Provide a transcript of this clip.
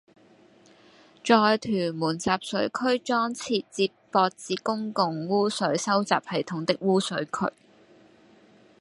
在屯門集水區裝設接駁至公共污水收集系統的污水渠